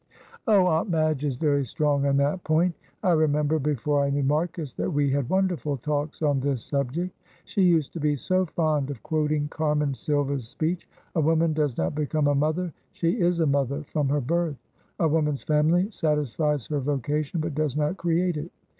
"Oh, Aunt Madge is very strong on that point. I remember, before I knew Marcus, that we had wonderful talks on this subject. She used to be so fond of quoting Carmen Sylva's speech, 'A woman does not become a mother, she is a mother from her birth. A woman's family satisfies her vocation, but does not create it.'